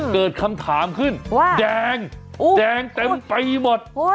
เกิดคำถามขึ้นว่าแดงแดงเต็มไปหมด